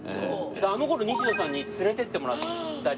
あの頃西田さんに連れてってもらったり。